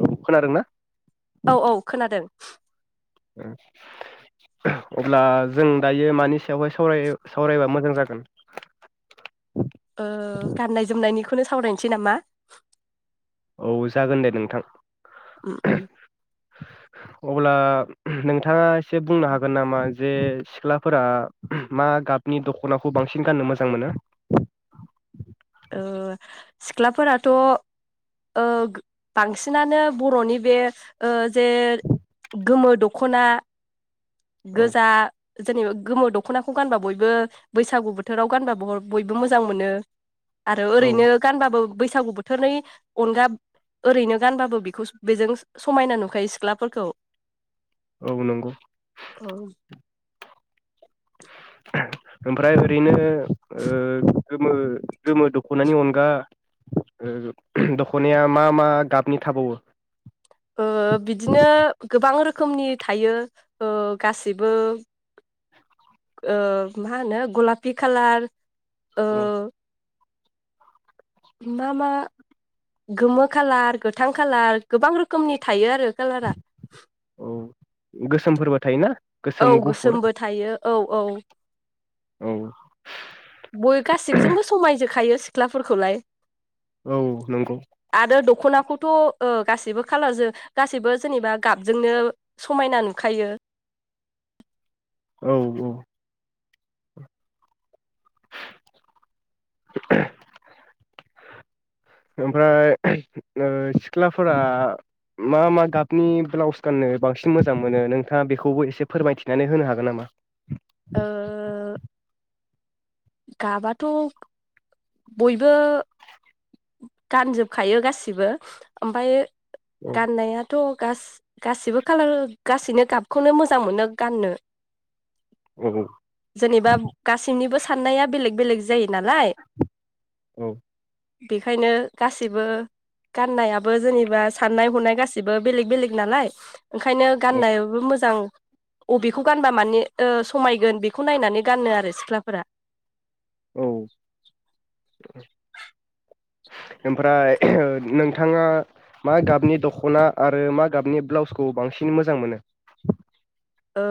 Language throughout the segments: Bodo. औ खोनादोंना औ औ खोनादों अब्ला जों दायो मानि सायावहाय साव सावरायबा मोजां जागोन ओ गाननाय जोमनायनिखौ खौनो सावरायनोसै नामा ओव जागोन दे नोंथां उम उम अब्ला नोंथाङा एसे बुंनो हागोन नामा जे सिख्लाफोरा मा गाबनि दखनाखौ बांसिन गाननो मोजां मोनो ओ सिख्लाफोराथ ओ बांसिनानो बरनि बे ओ जे गोमो दखना औ गोजा जेनेबा गोमो दख'नाखौ गानबा बयबो बैसागु बोथोराव गानबा ब-बयबो मोजां मोनो आरो औ ओरैनो गानबाबो बैसागु बोथोरनि अनगा ओरैनो गानबाबो बेखौ बेजों समायना नुखायो सिख्लाफोरखौ औ नंगौ औ ओमफ्राय ओरैनो ओ गोमो गोमो दख'नानि अनगा ओ दख'नाया मा मा गाबनि थाबावो? ओ बिदिनो गोबां रोखोमनि थायो ओ गासैबो ओ मा होनो गलाफि खालार ओ औ मा मा गोमो कालार गोथां खाालार गोबां रोखोमनि थायो आरो कालारा औ गोसोम फोरबो थायोना? औ गोसोम गुफुर गोसोमबो थायो औ औ औ बय गासिबजोंबो समायजोखायो सिख्लाफोरखौलाय औ नोंगौ खनाखौथ' ओ गासैबो खालारजों गासैबो जेनेबा गाबजोंनो समायना नुखायो औ औ ओमफ्राय ओ सिख्लाफोरा मा मा गाबनि ब्लाउस गाननो बांसिन मोजां मोनो नोंथाङा बेखौबो एसे फोरमायथिनानै होनो हागोन नामा? ओ गाबाथ' बयबो गानजोबखायो गासिबो ओमफाय औ गाननायाथ' गासि-गासिबो खाालार गासैनो गाबखौनो मोजां मोनो गाननो औ जेनेबा गासैनिबो सा साननाया बेलेग-बेलेग जायो नालाय औ बेखायनो गासैबो गाननायाबो जेनेबा साननाय हनाय गाैबो बेलेग-बेलेग नालाय ओंखायनो औ गाननायबो मोजां अबेखौ गानबा माने ओ समायगोन बेखौ नायनानै गानो आरो सिख्लाफोरा औ [unintelligible] ओमफ्राय नोंथाङा मा गाबनि दख'ना आरो मा गाबनि ब्लाउसखौ बांसिन मोजां मोनो? ओ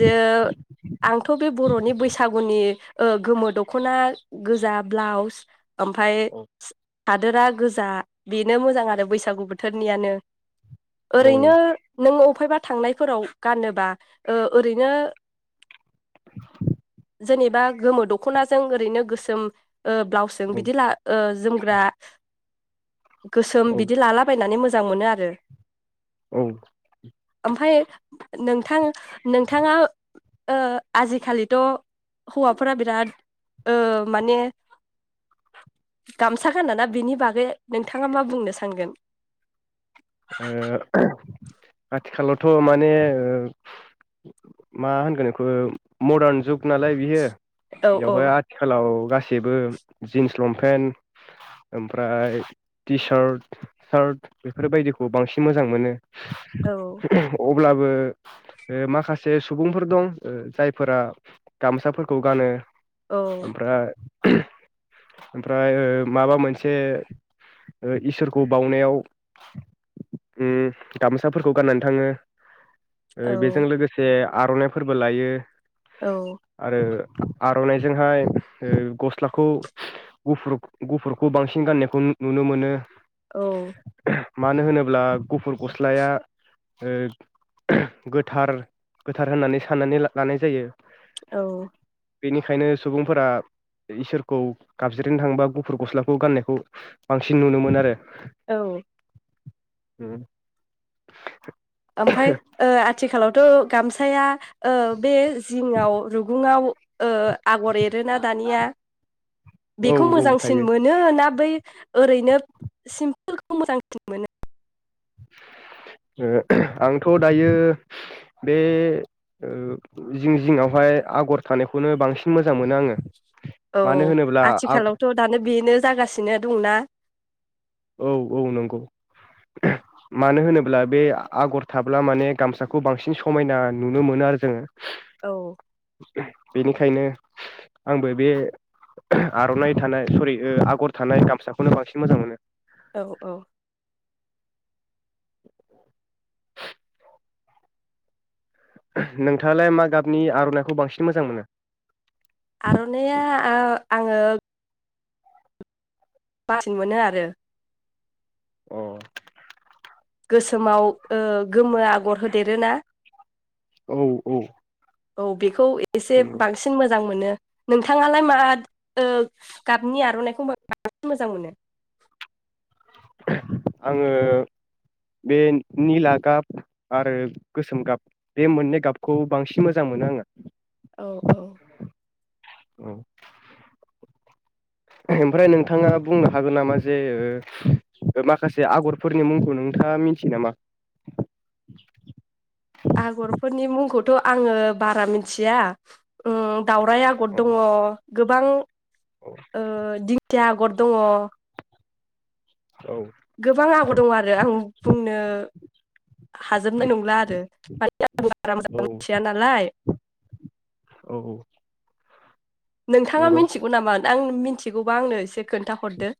जो आंथ' बे बर'नि बैसागुनि ओ गोमो दख'ना गोजा ब्लाउस ओमफाय औ स हादोरा गोजा बेनो मोजां आरो बैसागु बोथोरनियानो। औ ओरैनो नों अफायबा थांनायफोराव गानोब बा ओ ओरैनो जेनेबा गोमो दख'नाजों ओरैनो गोसोम ओ ब्लाउसजों बिदि ला ओ जोमग्रा गोसोम औ बिदि लालाबायनानै मोज जां मोनो आरो औ ओमफ्राय नोंथां नोंथाङा ओ आजिखालिथ' हौवाफोरा बिराद ओ माने गामसा गानाना बेनि बागै नोंथाङा मा बुंनो सानगोन ओ आथिखालावथ' माने ओ मा होनगोन बेखौ मदार्न जुग नालाय बियो औ औ बेवहाय आथिखालाव गासिबो जिन्स लंपेन्ट ओमफ्राय टि सार्ट सार्ट बेफोरबायदिखौ खौ बांसिन मोजां मोनो औ अ अब्लाबो ओ माखासे सुबुंफोर दं ओ जायफोरा गामसाफोरखौ गानो औ ओमफ्राय ओमफ्राय ओ माबा मोनसे ओ इसोरखौ बावनायाव उ गामसाफोरखौ गाननानै थाङो ओ औ बेजों लोगोसे आर'नाइफोरबो लायो औ आरो आर'नाइजोंहाय गस्लाखौ गुफुर गुफुरखौ बांसिन गाननायखौ नुनो मोनो औ मानो होनोब्ला गुफुर गस्लाया ओ गोथार गोथार होननानै साननानै लानाय जायो औ बेनिखायनो सुबुंफोरा इसोरखौ गाबज्रिनो थांबा गुफुर गस्लाखौ गाननायखौ बांसिन नुनो मोनो आरो औ उम ओमफ्राय ओ आथिखालावथ' गामसाया ओ बे जिङाव रुगुङाव ओ आगर एरोना दानिया औ बेखौ औ मोजांसिन थायो मोनो ना बै ओरैनो सिम्पोल खौ मोजांसिन मोनो ओ आंथ' दायो बे ओ जिं जिङावहाय आगर थानायखौनो बांसिन मोजां मोनो आङो औ मानो होनोब्ला आ आथिखालावथ' दानो बेनो जागासिनो दंना? औ औ नंगौ मानो होनोब्ला बे आगर थाब्ला माने गामसाखौ बांसिन समायना नुनो मोनो आरो जोङो औ बेनिखायनो आंबो बे आर'नाइ थानाय सरि आगर थानाय गामसाखौनो बांसिन मोजां मोनो औ औ [inaudible] नोंथाङालाय मा गाबनि आर'नाइखौ बांसिन मोजां मोनो? आर'नाइया आङो बासिन मोनो आरो अ गोसोमाव ओ गोमो आगर होदेरोना? औ औ औ बेख‌ खौ एसे बांसिन मो जां मोनो नोंथाङालाय मा गाबनि आर'नाइखौ बांसिन मोजां मोनो? आङो बे निला गाब आरो गोसोम गाब बे मोननै गाबखौ बांसिन मोजां मोनो आङो औ औ औ ओमफ्राय नोंथाङा बुंनो हागोन नामा जे माखासे आगरफोरनि मुंखौ नोंथाङा मिथियो नामा? थ आङो बारा मिथिया उम दाउराय आगर औ दङ गोबां ओ दिं खिया आगर दङ औ गोबां आगर दङ आरो आं बुंनो हाजोबनाय नंला आरो माने आं बारा मोजां मिथिया नालाय औ नोंथाङा नंगौ मिथिगौ नामा? आं मिथिगौबा आंनो एसे खोन्थााहरदो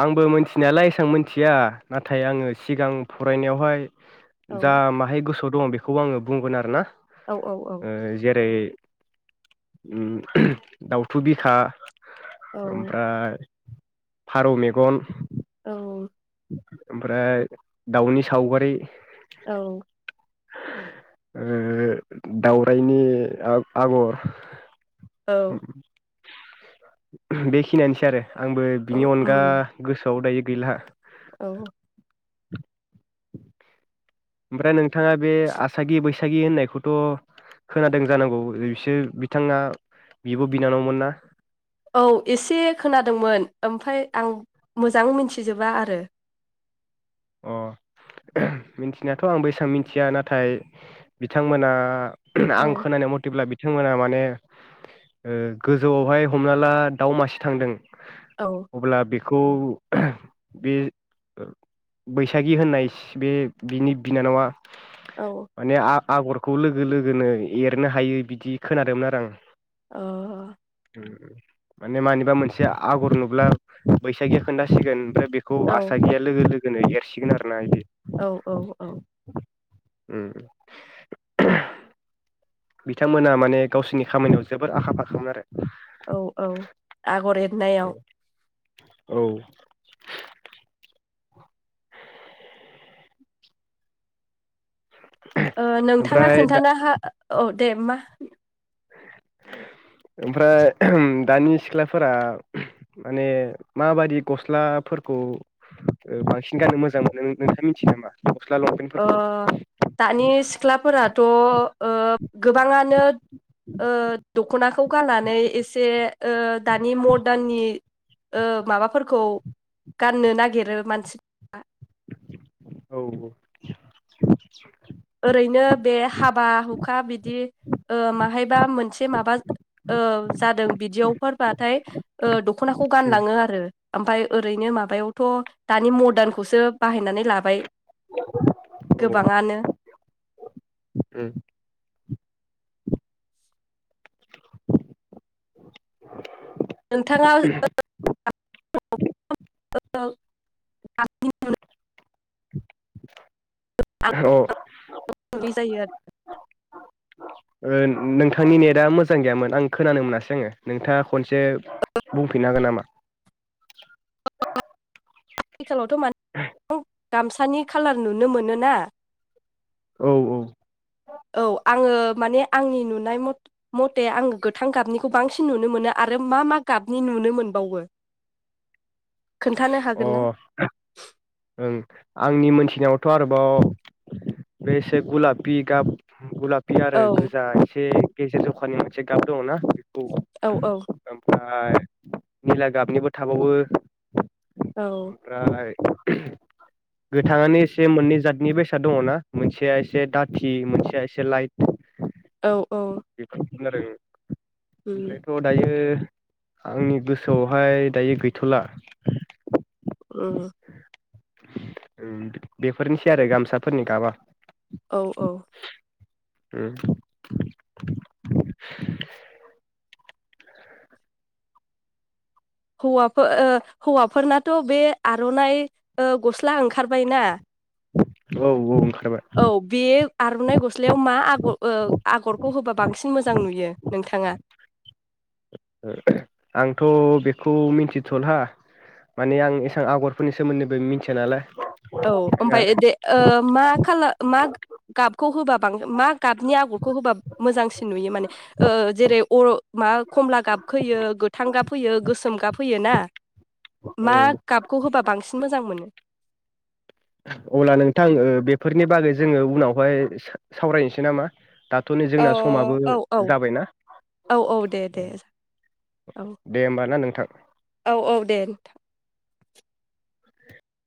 आंबो मोनथिनायालाय एसां मोनथिया नाथाय आङो सिगां फरायनायावहाय औ जा माहाय गोसोआव दङ बेखौ खौ आङो बुंगोन आरो ना औ औ औ ओ जेरै उम दावउथु बिखा औ ओमफ्राय फारौ मेगन औ ओमफ्राय दाउनि सावगारि औ ओ दावरायनि आगर औ उम। बेखिनियानोसै आरो। आंबो औ बिनि अनगा उम गोसोआव दायो। गैला। औ। [inaudible] ओमफ्राय नोंथाङा बे आसागि बैसागि होननायखौथ' खोनादों जानांगौ बिसोर बिथाङा बिब' बिनानावमोन ना। औ एसे खोनादोंमोन ओमफ्राय आं मोजां मिथिजोबा आरो। अ मिथिनायथ' आंबो एसां मिथिया नाथाय बिथांमोना आं औ खोनानाय मथेब्ला बिथांमोना माने ओ गोजौआवहाय हमना ला दाउ मासे थांदों। औ अब्ला बे खौ बे बैसागि होननाय बे बिनि बिनानावआ औ ओ माने आ आगरखौ लोगो लोगोनो एरनो हायो बिदि खोनादोंमोन आरो आं। अ। माने मानिबा मोनसे आगर नुब्ला बैसागिया खोन्थासिगोन ओमफ्राय बेखौ औ आसागिया लोगो लोगो एरसिगोन आरो ना बि- औ औ औ। उम। बिथांमोना माने गावसिरनि खामानियाव जोबोर आखा फाखामोन आरो नायाव औ। [inaudible] नोंथाङा ओमफ्राय दा खोन्थानो हा औ दे मा। ओमफ्राय दानि सिख्लाफोरा माने माबादि गस्लाफोरखौ बांसिन गाननो मोजां मोनो नोंथाङा मिथियो नामा। गस्ला अ लंपेन्टफोरखौ दानि सिख्लाफोराथ' ओ गोबाङानो ओ। दख'नाखौ गाननानै एसे ओ दानि मर्दाननि ओ माबाफोरखौ गाननो नागिरो मानसिफोरा औ औ। ओरैनो बे हाबा हुखा बिदि ओ माहायबा मोनसे माबा ओ जादों बिदियावफोरबाथाय दख'नाखौ गानलाङो आरो। ओमफ्राय ओरैनो माबायावथ' दानि मर्दानखौसो बाहायनानै लाबाय गोबाङानो। उम। नोंथाङा [inaudible] [inaudible] [inaudible] औ अ [inaudible] जायो आरो नोंथांनि नेटआ मोजां गैयामोन आं खोनानो मोनासै आङो नोंथाङा खनसे बुंफिननो हागोन नामा आथिखालावथ' मान [inaudible] गामसानि खालार नुनो मोनो ना औ औ औ आङो माने आंनि नुनाय मथे आङो गोथां गाबनिखौ बांसिन नुनो मोनो आरो मा मा गाबनि नुनो मोनबावो खोन्थानो अ हागोन ना ओं आंनि मोनसे सिङावथ' आरोबाव बे एसे गुलाफि गाब गला फि आरो औ गोजा एसे गेजेर जखाननि मोनसे गाब दङना। औ औ [unintelligible] निला गाबनिबो थाबावो [unintelligible] औ गोथाङानो एसे मोननै जातनि बेसाद दङना मोनसेया एसे दाथि मोनसेया एसे लाइट औ औ खोनादों ओ उम ओमफ्रायथ' दायो आंनि गोसोआवहाय दायो गैथ'ला उम बेफोरनिसै आरो गामसाफोरनि गाबा औ औ उम हौवाफोर हौवाफोरनाथ' बे आर'नाइ गस्ला ओंखारबायना औ औ औ बेयो आर'नाइ गस्लायाव मा आगर ओ आगरखौ होबा बांसिन मोजां नुयो नोंथाङा आंथ' बेखौ मिथिथ'ला माने आं एसेबां आगरफोरनि सोमोन्दैबो मिथिया नालाय औ ओंखायनो ओमफ्राय ओ आरो दे ओ मा खालार मा गाबखौ होबा बांसिन मा गाबनि आगरखौ होबा मोजांसिन नुयो माने ओ जेरै अ मा खमला गाबहोयो गोथां गाब होयो गोसोम गाब होयो ना मा औ गाबखौ होबा बांसिन मोजां मोनो अब्ला नोंथां बेफोरनि बागै जोङो उनावहाय सावरायनोसै नामा दाथ' नै औ जोंना समाबो औ औ जाबायना औ औ दे दे औ दे होमबा ना नोंथां औ औ दे